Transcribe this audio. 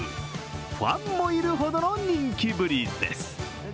ファンもいるほどの人気ぶりです。